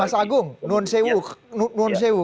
mas agung nuan sewu